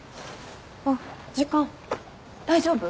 あっ時間大丈夫？